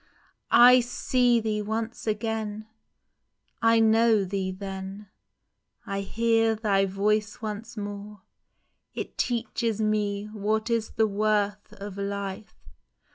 ! I see thee once again ; I know thee then \ I hear thy voice once more, it teaches me What is the worth of Life.